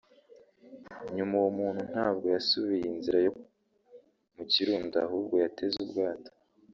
nyuma uwo muntu ntabwo yasubiye inzira yo mu Kirundo ahubwo yateze ubwato